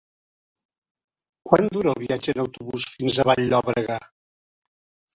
Quant dura el viatge en autobús fins a Vall-llobrega?